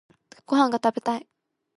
ご飯が食べたい。